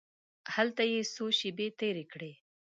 هلته یې څو شپې تېرې کړې.